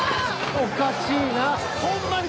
おかしいな。